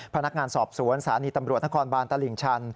พนักงานสอบสวนสถานีตำรวจนครบานตลิ่งชัน